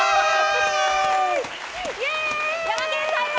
ヤマケン最高！